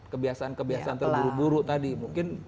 kebiasaan kebiasaan terburu buru tadi mungkin